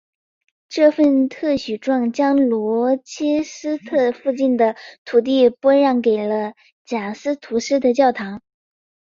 这份特许状将罗切斯特市附近的土地拨让给了贾斯图斯的教堂。